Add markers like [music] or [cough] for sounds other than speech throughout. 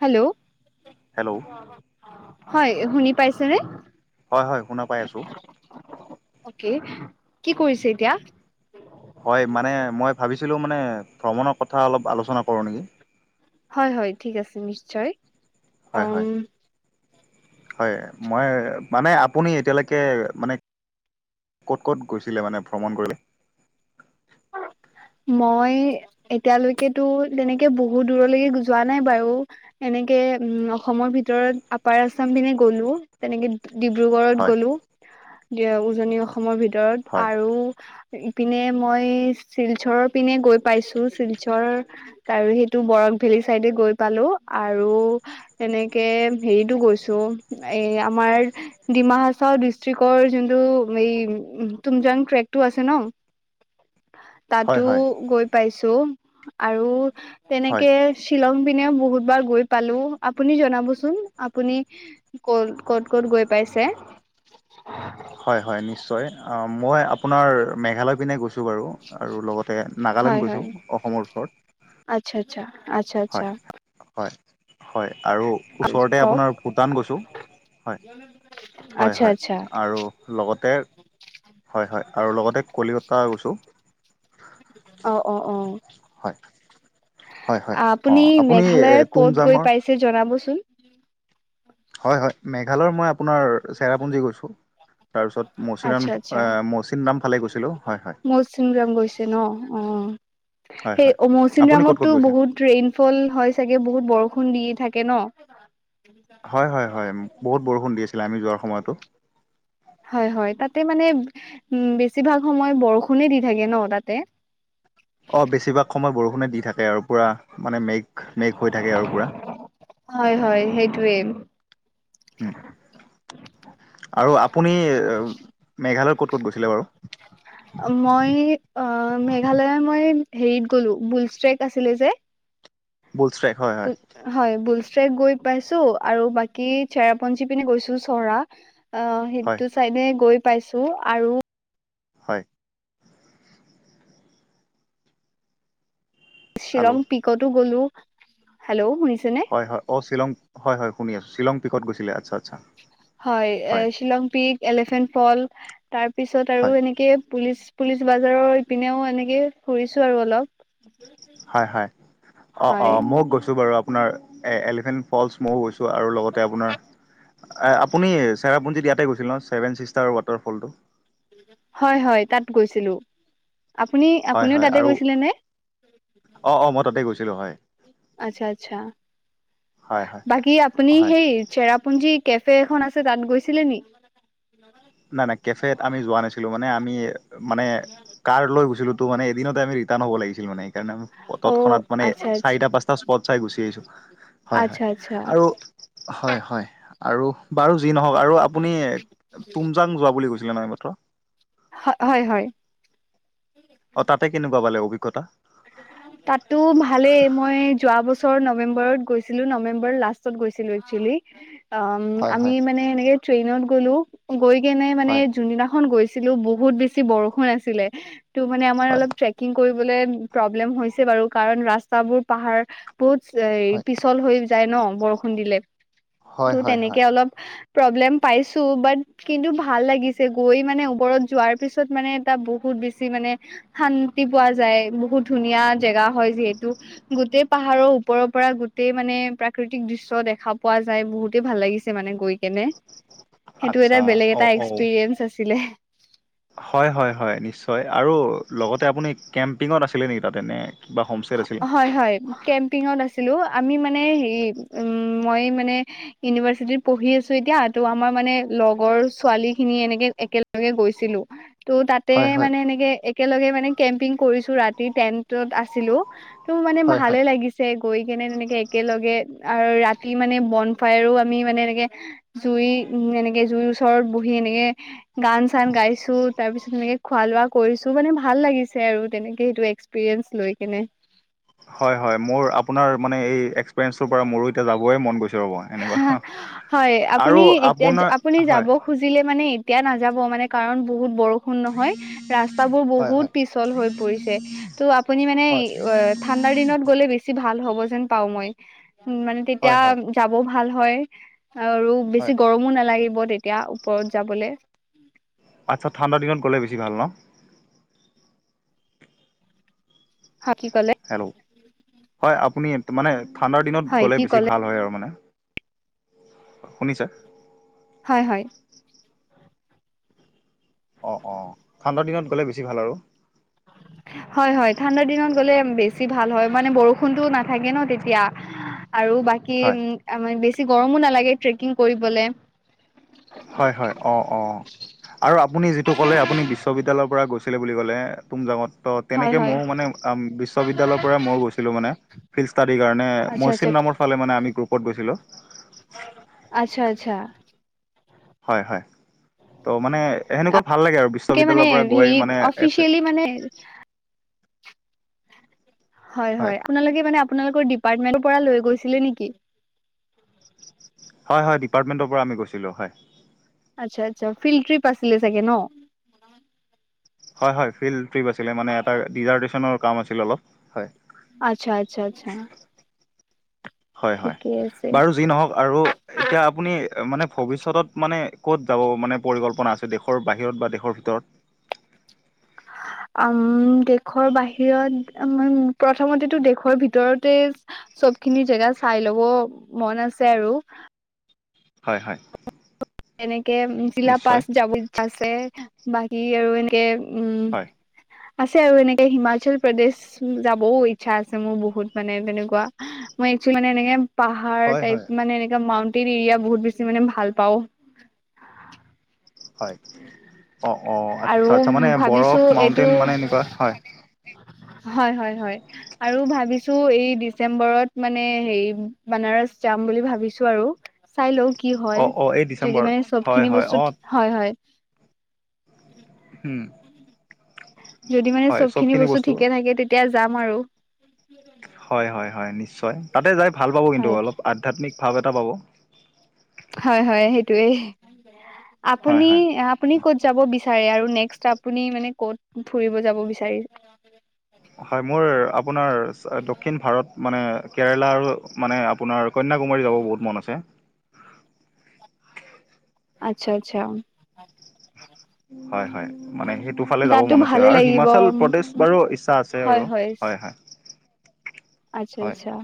Hello. Hello. হয়, শুনি পাইছেনে? হয়, হয় শুনা পাই আছো। অ'কে কি কৰিছে এতিয়া? হয়, মানে মই ভাবিছিলো মানে ভ্ৰমণৰ কথা অলপ আলোচনা কৰো নেকি। হয়, হয় ঠিক আছে নিশ্চয়। হয়, উম হয়, হয় মই মানে আপুনি এতিয়ালৈকে মানে ক'ত ক'ত গৈছিলে মানে ভ্ৰমণ কৰিলে? [inaudible] মই এতিয়ালৈকেতো তেনেকে বহুত দূৰলৈকে যোৱা নাই বাৰু। এনেকে, উম্, অসমৰ ভিতৰত আপাৰ আছাম পিনে গ'লো। তেনেকে ডিব্ৰুগড়ত হয় গ'লো, উজনি অসমৰ ভিতৰত হয় আৰু ইপিনে মই শিলচৰৰ পিনে গৈ পাইছোঁ, শিলচৰ আৰু সেইটো বৰাক ভেলী চাইডে গৈ পালোঁ আৰু এনেকে হেৰিটো গৈছোঁ, এ আমাৰ ডিমা হাচাও ডিষ্ট্ৰিক্টৰ যোনটো ট্ৰোমজান ট্ৰেকটো আছে ন, হয় তাতো হয় গৈ পাইছোঁ আৰু হয় তেনেকে, শ্বিলং পিনে বহুত বাৰ গৈ পালোঁ, আপুনি জনাবচোন আপুনি- ক'ত, ক'ত ক'ত গৈ পাইছে। হয় হয় নিশ্চয়, মই আপোনাৰ মেঘালয় পিনে গৈছোঁ বাৰু। আৰু লগতে হয় নাগালেণ্ড হয় গৈছোঁ অসমৰ ওচৰত। আচ্ছা আচ্ছা, আচ্ছা হয় আচ্ছা। হয়, হয় আৰু ওচৰতে কওক আপোনাৰ ভূটান গৈছোঁ। হয়, হয় আচ্ছা হয় আচ্ছা, আৰু লগতে, হয় হয় আৰু লগতে কলিকতা গৈছোঁ। অ'অ'অ', হয়, হয় হয় অ আপুনি এ মেঘালয়ৰ ক'ত গৈ তুমজাঙৰ পাইছে জনাবচোন। হয় হয়, মেঘালয়ৰ মই আপোনাৰ চেৰাপুঞ্জী গৈছোঁ। তাৰপিছত আচ্ছা মৌচিৰাম, আচ্ছা মৌচিন ৰামফালে গৈছিলোঁ হয় হয়। মৌচিনৰাম গৈছে ন, অ', হয় সেই হয় মৌচিন আপুনি ক'ত ক'ত ৰামতো গৈছে বহুত- ট্ৰেইন ফল হয় চাগে, বহুত বৰষুণ দি থাকে ন। হয় হয় হয়, বহুত বৰষুণ দি আছিলে আমি যোৱাৰ সময়তো। হয় হয়, তাতে মানে উম্, বেছিভাগ সময় বৰষুণে দি থাকে ন তাতে। অ', বেছিভাগ সময় বৰষুণে দি থাকে আৰু পুৰা মানে মেঘ, মেঘ হৈ থাকে আৰু পুৰা। হয় হয়, সেইটোৱে। আৰু আপুনি মেঘালয়ৰ ক'ত ক'ত গৈছিলে বাৰু! মই মেঘালয় মই হেৰিত গ'লো, বুলছ ট্ৰেক আছিলে যে। বুলষ্ট্ৰেক হয় হয়। বুল হয়, বুলষ্ট্ৰেক গৈ পাইছোঁ আৰু বাকী চেৰাপুঞ্জী পিনে গৈছোঁ চৰা। অ', হয় সেইটো চাইডে গৈ পাইছোঁ আৰু, হয়। শ্বিলং হেল্ল' পিকতো গ'লো। হেল্ল' শুনিছেনে? হয় হয়, অ', শ্বিলং হয়, শুনি আছোঁ। শ্বিলং পিকত গৈছিলে, আচ্ছা আচ্ছা। হয়, শ্বিলং পিক, এলিফেণ্ট ফল। তাৰ পিছত হয় আৰু এনেকে পুলিচ, পুলিচ বজাৰৰ ইপিনেও এনেকে ফুৰিছোঁ আৰু অলপ। হয় হয়। অ', হয় অ', মইয়ো গৈছোঁ বাৰু আপোনাৰ- এ এলিফেন্ট ফলচ মইও গৈছোঁ আৰু লগতে আপোনাৰ আপুনি- চেৰাপুঞ্জিত ইয়াতে গৈছিল ন, ছেভেনছিষ্টাৰৰ ৱাটাৰফলটো, হয় হয়, তাত গৈছিলোঁ। আপুনি হয় আপুনিও হয় তাতে আৰু গৈছিলে নে! অ', অ', মই তাতে গৈছিলোঁ হয় আচ্ছা আচ্ছা। হয় হয় বাকী আপুনি হয় সেই চেৰাপুঞ্জী কেফে এখন আছে তাত গৈছিলে নেকি? নাই নাই কেফেত আমি যোৱা নাছিলো মানে আমি মানে কাৰ লৈ গৈছিলোঁ তোৰ মানে এদিনতে আমি। ৰিতান হ'ব লাগিছিল মানে সেই- অ তত্ক্ষণাত মানে আচ্ছা আচ্ছা চাৰিটা পাঁচটা স্পট চাই গুচি আহিছোঁ। হয় হয় আচ্ছা আচ্ছা আৰু- হয় হয় আৰু। বাৰু যি নহওক আৰু আপুনি- তুমজাং যোৱা বুলি কৈছিলে নাই প্ৰথম। হয়, হয় হয়। অ তাতে কেনেকুৱা পালে অভিজ্ঞতা তাতো ভালেই মই যোৱা বছৰ নৱেম্বৰত গৈছিলো নৱেম্বৰ লাষ্ট গৈছিলো একছলি অ হয় আমি হয় মানে এনেকে ট্ৰেইনত গ'লো গৈ কেনে মানে হয় যোনদিনাখন গৈছ গৈছিলো বহুত বেছি বৰষুণ আছিলে ত মানে আমাৰ হয় অলপ ছেকিং কৰিবলে প্ৰব্লেম হৈছে বাৰু কাৰণ ৰাস্তাবোৰ পাহাৰ বহুত এ হয় পিছল হৈ যায় ন বৰষুণ দিলে হয় ত হয় তেনেকে হয়। অলপ প্ৰব্লেম পাইছো বাট কিন্তু ভাল লাগিছে গৈ মানে ওপৰত যোৱাৰ পিছত মানে এটা বহুত বে বেছি মানে শান্তি পোৱা যায় বহুত ধুনীয়া জেগা হয় যিহেতু গোটেই পাহাৰৰ ওপৰৰ পৰা গোটেই মানে প্ৰাকৃতিক দৃশ্য দেখা পোৱা যায় বহুতেই ভাল লাগিছে মানে গৈ খেনে সেইটো এটা আচ্ছা বেলেগ অ এটা অ এক্সপিৰিয়েঞ্চ আছিলে হয় হয় হয় নিশ্চয় আৰু লগতে আপুনি কেম্পিঙত আছিলে নেকি তাত এনে কিবা হোমষ্টেত আছিলে? হয় হয় কেম্পিঙত আছিলো আমি মানে হে উ মই মানে ইউনিভাৰ্চিটিত পঢ়ি আছো এতিয়া তো আমাৰ মানে লগৰ ছোৱালী খিনি এনেকে একেলগে গৈছিলো ত' তাতে হয় হয় মানে এনেকে একেলগে মানে কেম্পিং কৰিছো ৰাতি টেন্টত আছিলো ত মানে হয় ভালে হয়। লাগিছে গৈ কেনে তেনেকে একেলগে আৰু ৰাতি মানে বন ফায়াৰো আমি মানে এনেকে জুই উ এনেকে জুইৰ ওচৰত বহি এনেকে গান চান গাইছো তাৰ পিছত এনেকে খোৱা লোৱা কৰিছো মানে ভাল লাগিছে আৰু তেনেকে সেইটো এক্সপিৰিয়েন্স লৈ কেনে হয় হয় মোৰ আপোনাৰ মানে এই এক্সপিৰিয়েন্ঞ্চটোৰ পৰা মোৰো এতিয়া যাবই মন গৈছে ৰ'ব এনেকুৱা। হয় আপুনি আৰু এতিয়া আপোনাৰ আপুনি যাব হয়। খুজিলে মানে এতিয়া নাযাব মানে কাৰণ বহুত বৰষুণ ন নহয় ৰাস্তাবোৰ হয় বহুত হয় পিছল হৈ পৰিছে ত' আপুনি মানে হয় অ ঠাণ্ডাৰ দিনত গ'লে বেছি ভাল হ'ব যেন পাও মই উ মানে তেতিয়া হয় হয় যাব ভাল হয় আৰু হয়। বেছি গৰমো নালাগিব তেতিয়া ওপৰত যাবলৈ আচ্ছ ঠাণ্ড দিনত গ'লে বেছি ভাল ন হা কি কলে হেল্ল' হয় আপুনি মানে ঠাণ্ডাৰ দিনত হয় গ'লে কি বেছি ক'লে ভাল হয় আৰু মানে শুনিছা হয় হয় অঁ অঁ ঠাণ্ডাৰ দিনত গ'লে বেছি ভাল আৰু হয় হয় ঠাণ্ডাৰ দিনত গ'লে বেছি ভাল হয় মানে বৰষুণটো নাথাকে ন তেতিয়া আৰু বাকী উ হয় ম বেছি গৰমো নালাগে ট্ৰেকিং কৰিবলে হয় হয় অ অ আৰু আপুনি যিটো ক'লে আপুনি বিশ্ববিদ্যালয়ৰ পৰা গৈছিলে বুলি ক'লে তুমজাঙত ত হয় তেনেকে হয় মইও মানে অম বিশ্ববিদ্যালয়ৰ পৰাই মইও গৈছিলো মানে ফিল্ড ষ্টাডিৰ কাৰণে আচ্ছা আচ্ছা মৌচিনৰামৰ ফাল মে আমি গ্ৰুপত গৈছিলোঁ আচ্ছা আচ্ছা হয় হয় ত' মানে সেনেকুৱা ভাল লাগে আৰু তাকে মানে বিশ্ববিদ্যালয়ৰ পৰা হেৰি গৈ মানে এক অফিচিয়েলি মানে হয় হয় আপোনালোকে মানে আপোনালোকৰ ডিপাৰ্টমেন্টৰ পৰা লৈ গৈছিলে নেকি হয় ডিপাৰ্টমেণ্টৰ পৰা আমি গৈছিলো হয় আচ্ছা আচ্ছা ফিল্ড ট্ৰিপ আছিলে চাগে ন হয় হয় ফিল্ড ট্ৰিপ আছিলে মানে এটা ডিজাৰদেচনৰ কাম আছিল অলপ হয় আচ্ছা আচ্ছা আচ্ছা হয় হয় ঠিকে আছে বাৰু যি নহওক আৰু এতিয়া আপুনি মানে ভৱিষ্যতত মানে ক'ত যাব মানে পৰিকল্পনা আছে দেশৰ বাহিৰত বা দেশৰ ভিতৰত উম দেশৰ বাহিৰত এম উম প্ৰথমতেটো দেশৰ ভিতৰতে চবখিনি জেগা চাই ল'ব মন আছে আৰু। হয় হয়। এনেকে জিলা নিশ্চয় পাছ যাবলে আছে বাকী আৰু এনেকে উম। হয় আছে আৰু এনেকে হিমাচল প্ৰদেশ যাবও ইচ্ছা আছে মোৰ বহুত মানে তেনেকুৱা। মানে একচুৱেলি মানে এনেকে পাহাৰ হয় টাইপ হয় মানে এনেকে মাউনটেইন এৰিয়া বহুত বেছি মানে ভালপাওঁ। হয়, অ অ, আচ্ছা আৰু আচ্ছা মানে বৰফ, ভাবিছো এইটো মাউটেইন মানে এনেকুৱা হয় হয় হয় হয়। আৰু ভাবিছো, এই ডিচেম্বৰত মানে হেৰি বানাৰস যাম বুলি ভাবিছো আৰু। চাই লওঁ কি অ হয় অ এই যদি ডিচেম্বৰত মানে হয় চবখিনি হয় বস্তু অ হয়, হয় উম। যদি মানে চবখিনি বস্তু ঠিকেই থাকে তেতিয়া যাম আৰু। হয় হয় হয়, নিশ্চয় তাতে যাই ভাল পাব কিন্তু হয় অলপ আধ্যাত্মিকভাৱ এটা পাব। হয় হয়, সেইটোৱেই হয় আপুনি হয় আপুনি ক'ত যাব বিচাৰে আৰু নেক্সট আপুনি মানে ক'ত ফুৰিব যাব বিচাৰে? হয় মোৰ আপোনাৰ দক্ষিণ ভাৰত মানে কেৰেলা আৰু মানে আপোনাৰ কন্যাকুমাৰী যাব বহুত মন আছে। আচ্ছা আচ্ছা। হয় হয়। মানে সেইটো ফালে যাব তাতো মন আছে আৰু। ভালে আৰু লাগিব হিমাচল প্ৰদেশ বাৰু ইচ্ছা আছে আৰু হয় হয়। আচ্ছা, হয় আচ্ছা।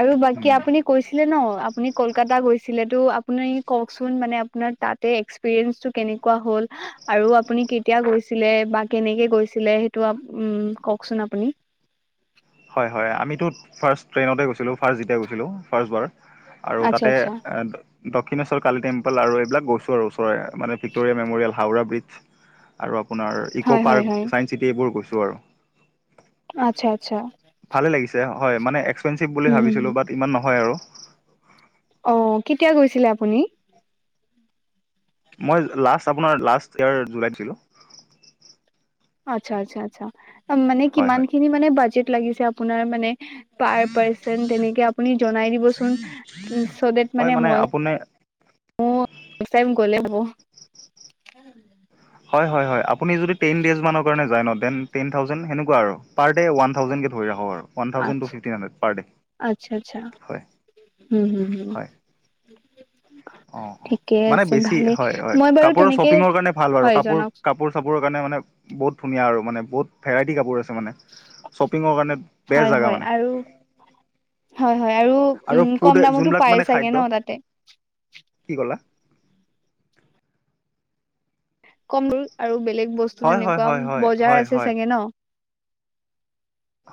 আৰু বাকী উম। আপুনি কৈছিলে ন আপুনি কলকাতা গৈছিলেটো আপুনি কওকচোন মানে আপোনাৰ তাত তাতে এক্সপিৰিয়েঞ্চটো কেনেকুৱা হ'ল আৰু আপুনি কেতিয়া গৈছিলে বা কেনেকে গৈছিলে সেইটো উম, কওকচোন আপুনি? হয়, হয় আমিটো ফাৰ্ষ্ট ট্ৰেইনতে গৈছিলো, ফাৰ্ষ্ট যেতিয়া গৈছিলো ফাৰ্ষ্টবাৰ। আৰু আচ্ছা তাতে আচ্ছা অ দক্ষিণেশ্বৰ কালি টেম্পল আৰু এইবিলাক গৈছো আৰু ওচৰৰে মানে ভিক্ট'ৰিয়া মেম'ৰিয়েল, হাওৰা ব্ৰিজ আৰু আপোনাৰ ইক' হয় হয় হয় পাৰ্ক, চাইন্স চিটি এইবোৰ গৈছো আৰু। আচ্ছা আচ্ছা। ভালে লাগিছে। হয়, মানে এক্সপেঞ্চিভ বুলি উম, ভাবিছিলো বাট ইমান নহয় আৰু। অ কেতিয়া গৈছিলে আপুনি? মই লাষ্ট আপোনাৰ লাষ্ট ইয়েৰ জুলাইত গৈছিলো। আচ্ছা আচ্ছা আচ্ছা। মানে হয় হয় কিমানখিনি মানে বাজেট লাগিছে আপোনাৰ মানে পাৰ পাৰচন তেনেকে আপুনি জনাই দিবচোন, চ' দেট মানে মইয়ো আপোনাৰ উম ফাৰ্ষ্ট টাইম গ'লে হ'ব। হয় হয় হয়, আপুনি যদি টেন ডেইজ মানৰ কাৰণে যায় ন দেন টেন থাউজেণ্ড সেনেকুৱা আৰ পাৰ ডে ওৱান থাউজেণ্ডকে পৰি যাব আৰু। ওৱান থাউজেণ্ড টু আচ্ছা ফিফটিন হাণ্ড্ৰেড পাৰ ডে হয়। হু হু হু। হয় অ অ মানে বেছি হয় হয় মই বাৰু কাপোৰৰ তেনেকে শ্বপিঙৰ কাৰণে ভাল বাৰু হয় কাপোৰ জনাওক কাপোৰ কাপোৰৰ কাৰণে মানে বহুত ধুনীয়া আৰু মানে বহুত ভেৰাইটি কাপোৰ আছে মানে। শ্বপিঙৰ কাৰণে বেষ্ট হয় জাগা হয় মানে। আৰু হয় হয় আৰু উম ফুড কম দামতো যোনবিলাক পায় মানে চাগে খাদ্য ন তাতে? কি ক'লা? কম ৰেট আৰু বেলেগ বস্তু হয় হয় তেনেকুৱা হয় হয় বজাৰ হয় আছে হয় চাগে ন?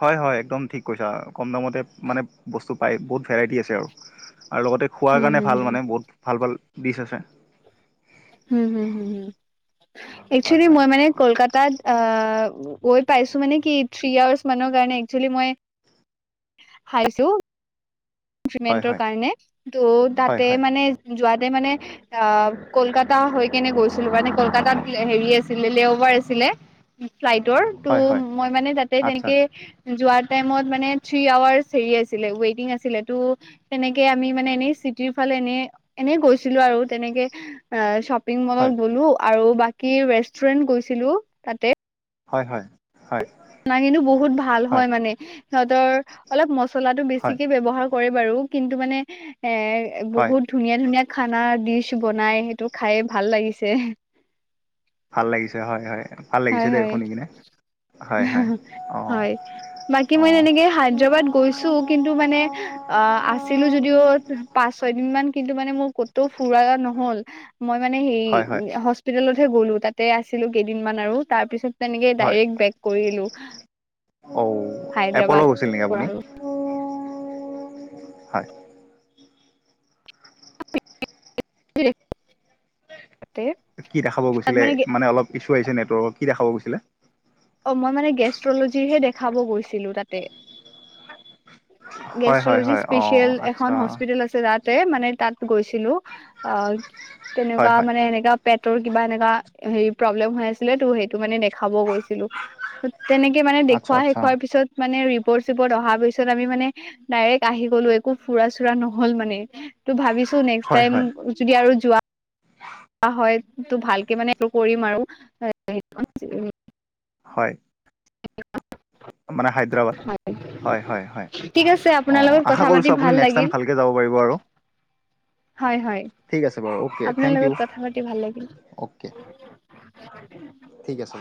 হয় হয় একদম ঠিক কৈছা কম দামতে মানে বস্তু পায়। বহুত ভেৰাইটি আছে আৰুআৰু লগতে খোৱাৰ হুম কাৰণে হুম ভাল হুম মানে বহুত ভাল ভাল দিছ আছে। হো, হো, হো, হো হয় এইখিনি হয় মানে কলকাত তাত আ গৈ পাইছো মানে কি থ্ৰি ইয়াৰ্চ মানৰ কাৰণে একচুৱেলি মই তাত খাইছোঁ হয় ষ্টুডেণ্টৰ হয় কাৰণে ত' হয় তাতে হয় মানে যোৱাতে মানে অ', কলকাতা হৈ কেনে গৈছিলো মানে কলকাতাত হেৰি আছিলে লেল'বাবা আছিলে ফ্লাইটৰ হয় ত' হয় মই মানে তাতে আচ্ছা তেনেকে যোৱা টাইমত মানে থ্ৰী আৱাৰ্চ হেৰি আছিলে ৱেটিং আছিলে টো তেনেকে আমি মানে এনেই চিটিৰ ফালে এনেই এনেই গৈছিলো আৰু তেনেকে অ', শ্বপিং মলত হয় গ'লো আৰু বাকী কি ৰেষ্টুৰেন্ট গৈছিলো তাতে হয়, হয়। হয় কিন্তু বহুত ভাল হয় মানে সিহঁতৰ অলপ মচলাটো হয় বেছিকে ব্যৱহাৰ কৰে বাৰু কিন্তু মানে এ হয় বহুত ধুনীয়া ধুনীয়া খানা ডিচ বনাই সেইটো খাই ভাল লাগিছে ভাল লাগিছে হয় হয় ভাল হয় লাগিছে দেই হয় শুনি কিনে হয় হয় অ হয় বাকী অ মই তেনেকে হায়দৰাবাদ গৈছো কিন্তু মানে অ', আছিলো যদিও পাঁচ ছয় দিন মান কিন্তু মানে মোৰ কতো ফুৰা নহ'ল মই মানে হেৰি হয় হয় হস্পিতেলতহে গ'লো তাতে আছিলো কেইদিনমান আৰু তাৰ পিছত তেনেকে হয় ডাইৰেক্ট বেক কৰিলো অ', হায়দৰাবাদ এপ'ল' গৈছিল নেকি পৰা আপুনি হয় [inaudible] কি দেখাব গৈছিলে মানে অলপ ইছ্যু আহিছে নেটৱৰ্কৰ কি দেখাব গৈছিলে অ', মই মানে গেষ্ট্ৰলজি হে দেখাব গৈছিলো তাতে হয় হয় গেষ্ট্ৰলজি হয় অ স্পেচিয়েল আচ্ছা এখন হস্পিতেল আছে তাত মানে তাত গৈছিলো অ', হয় তেনেকুৱা হয় মানে এনেকা পেটৰ কিবা এনেকা হেৰি প্ৰব্লেম হৈ আছিলে ত' সেইটো মানে দেখাব গৈছিলো তেনেকে মানে আচ্ছা দেখুুৱা আচ্ছা শেখুৱোৱাৰ পিছত মানে ৰিপৰ্ট চিপৰ্ট অহাৰ পিছত আমি মানে ডাইৰেক্ট আহি গলো একো ফুৰা চুৰা নহল মানে ত ভাবিছো নেক্স হয় টাইম হয় যদি আৰু যোৱা হয় তো ভালকে মানে কৰিম আৰু হয়। উ [inaudible] মানে হায়দৰাবাদ হয়, হয়, হয় ঠিক আছে আপোনাৰ অ', লগত আশা কথা পাতি কৰিছো আপুনি ভাল নেক্সট টাইম লাগিল ভালকে যাব পাৰিব আৰু হয় হয় ঠিক আছে বাৰু অ'কে আপোনাৰ থেংক ইউ লগত কথা পাতি ভাল লাগিল। অ'কে। [inaudible] ঠিক আছে।